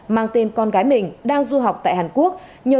mang tên con gái mình đang du học tại hàn quốc